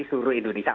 di seluruh indonesia